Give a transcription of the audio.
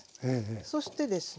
そしてですね